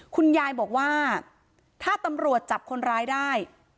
คุณยายบอกว่าถ้าตำรวจจับคนร้ายได้